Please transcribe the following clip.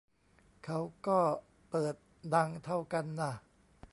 เขาก็เปิดดังเท่ากันน่ะ